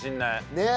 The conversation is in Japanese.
ねえ。